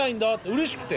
うれしくて。